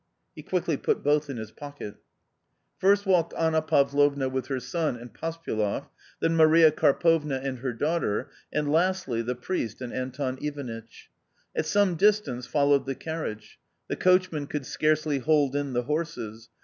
He quickly put both in his pocket. First walked Anna Pavlovna with her son and Pospyeloff, then Maria Karpovna and her daughter, and lastly the priest and Anton Ivanitch. At some distance followed the carriage. The coachman could scarcely hold in the horses.